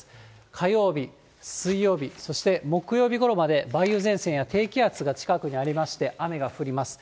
火曜日、水曜日、そして木曜日ごろまで、梅雨前線や低気圧が近くにありまして、雨が降ります。